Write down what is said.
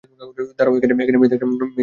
দাঁড়াও, এখানে মেঝেতে একটা নরম জায়গা আছে।